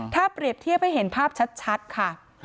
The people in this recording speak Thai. ถ้าเปรียบเทียบให้เห็นภาพชัดค่ะ